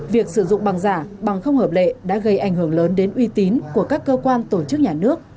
việc sử dụng bằng giả bằng không hợp lệ đã gây ảnh hưởng lớn đến uy tín của các cơ quan tổ chức nhà nước